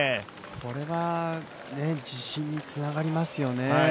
それは自信につながりますよね。